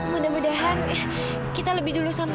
mudah mudahan kita lebih dulu sampai bu